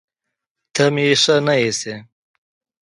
ته مې ښه نه ايسې